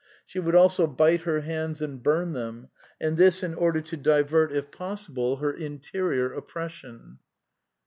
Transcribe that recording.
She would also bite her hands and bum them, and this in order to divert, if possible, her interior op pression."